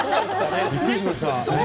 びっくりしました。